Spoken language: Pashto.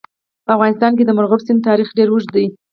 په افغانستان کې د مورغاب سیند تاریخ ډېر اوږد دی.